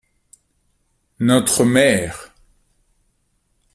Notre mère.